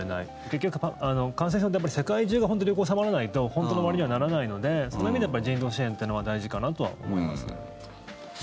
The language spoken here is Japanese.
結局、感染者って世界中が流行収まらないと本当の終わりにはならないのでその意味で人道支援というのは大事かなと思いますね。